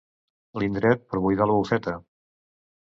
L'indret per buidar la bufeta.